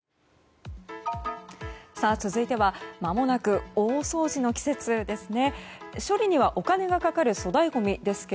続いてはまもなく大掃除の季節ですね。